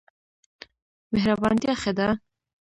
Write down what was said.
مهربانتیا ښه ده.